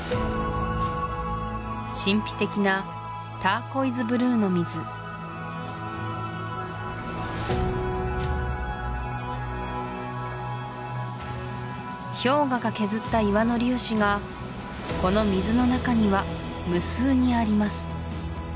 神秘的なターコイズブルーの水氷河が削った岩の粒子がこの水の中には無数にあります